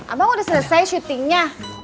abang udah selesai syutingnya